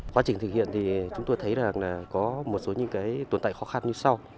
quá trình thực hiện thì chúng tôi thấy là có một số những cái tồn tại khó khăn như sau